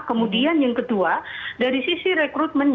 kemudian yang kedua dari sisi rekrutmennya